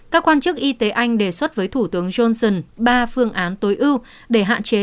các quan chức y tế anh đề xuất với thủ tướng johnson ba phương án tối ưu để hạn chế